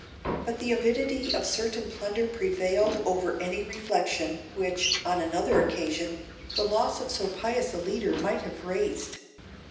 But the avidity of certain plunder prevailed over any reflection, which, on another occasion, the loss of so pious a leader might have raised.